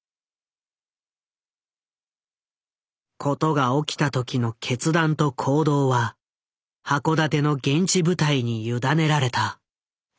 事が起きた時の決断と行動は函館の現地部隊に委ねられた。